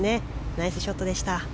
ナイスショットでした。